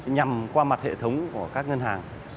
nhằm qua mặt hệ thống của các ngân hàng